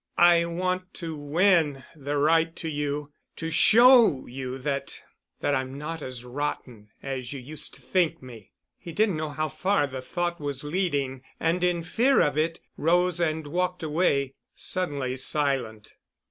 "I want to win the right to you, to show you that—that I'm not as rotten as you used to think me——" He didn't know how far the thought was leading and in fear of it, rose and walked away, suddenly silent.